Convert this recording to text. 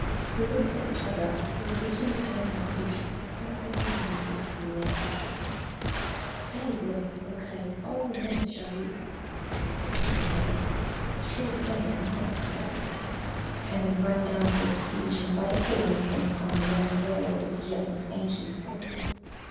"We looked at each other, while reaching the same conclusion something unusual had been washed ashore! "Say, Bill, folks say 'follow your nose' shall we?" asked my brother. "Sure thing come on!" said I, and we ran down to this beach and right here we came upon a young whale which yet was ancient of days!